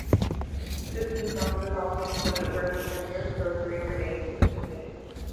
Distance throwing is also included, where competitors throw three grenades in two minutes.